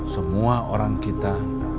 semua orang kita